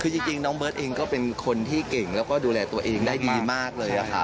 คือจริงน้องเบิร์ตเองก็เป็นคนที่เก่งแล้วก็ดูแลตัวเองได้ดีมากเลยค่ะ